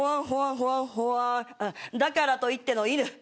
だからといっての、犬。